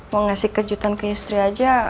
mau ngasih kejutan ke istri aja